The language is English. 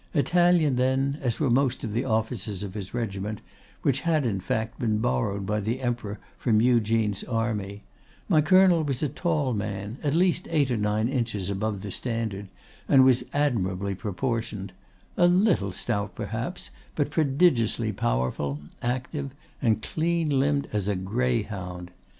Italian, then, as were most of the officers of his regiment, which had, in fact, been borrowed by the Emperor from Eugene's army, my colonel was a tall man, at least eight or nine inches above the standard, and was admirably proportioned—a little stout perhaps, but prodigiously powerful, active, and clean limbed as a greyhound.